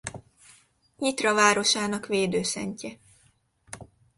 Nyitra városának védőszentje.